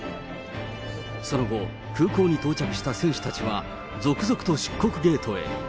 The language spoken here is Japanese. その後、空港に到着した選手たちは、続々と出国ゲートへ。